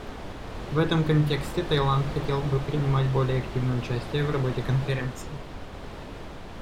В этом контексте Таиланд хотел бы принимать более активное участие в работе Конференции.